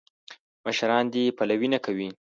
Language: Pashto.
مشران دې پلوي نه کوي.